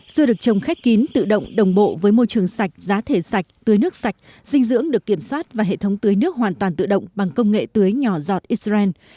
dưa được trồng khép kín tự động đồng bộ với môi trường sạch giá thể sạch tưới nước sạch dinh dưỡng được kiểm soát và hệ thống tưới nước hoàn toàn tự động bằng công nghệ tưới nhỏ giọt israel